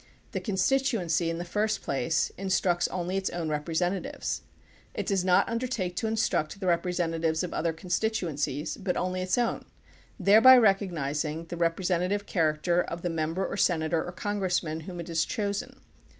The constituency, in the first place, instructs only its own representatives. It does not undertake to instruct the representatives of other constituencies, but only its own, thereby recognizing the representa tive character of the member or senator or congress man whom it has chosen.